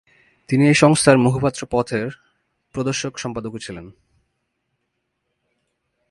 তিনি এই সংস্থার মুখপত্র পথ-এর প্রদর্শক সম্পাদকও ছিলেন।